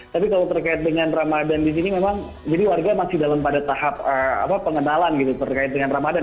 tapi kalau terkait dengan ramadan di sini memang jadi warga masih dalam pada tahap pengenalan gitu terkait dengan ramadan